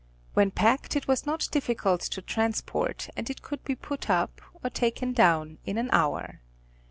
When packed it was not difficult to transport, and it could be put up, or taken down in an hour.